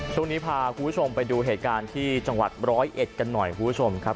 ช่วงนี้พาคุณผู้ชมไปดูเหตุการณ์ที่จังหวัดร้อยเอ็ดกันหน่อยคุณผู้ชมครับ